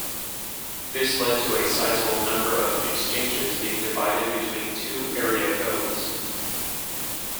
This led to a sizeable number of exchanges being divided between two area codes.